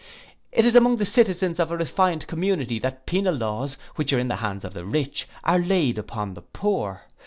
It is among the citizens of a refined community that penal laws, which are in the hands of the rich, are laid upon the poor.